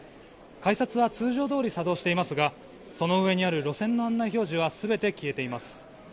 改札は通常どおり作動していますがその上にある路線の案内表示はすべて消えています。